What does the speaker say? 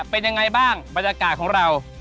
เป็นยังไงบ้างบรรยากาศของเรา